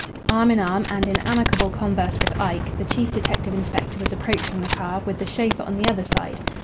Arm in arm and in amicable converse with Ike, the chief detective inspector was approaching the car, with the chauffeur on the other side.